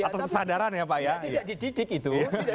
tidak dididik itu